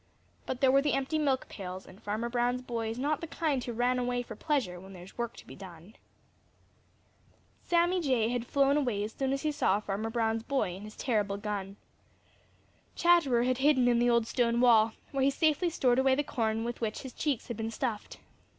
But there were the empty milk pails, and Farmer Brown's boy is not the kind who run away for pleasure when there is work to be done. Sammy Jay had flown away as soon as he saw Farmer Brown's boy and his terrible gun. Chatterer had hidden in the old stone wall, where he safely stored away the corn with which his cheeks had been stuffed.